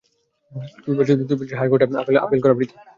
তুই বলছিস হাই কোর্টে আপিল করা বৃথা?